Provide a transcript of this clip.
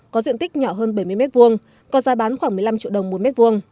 có diện tích nhỏ hơn bảy mươi m hai có giá bán khoảng một mươi năm triệu đồng mỗi m hai